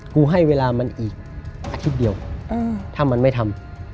เวลาให้เวลามันอีกอาทิตย์เดียวถ้ามันไม่ทำ